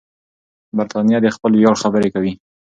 برتانیه د خپل ویاړ خبرې کوي.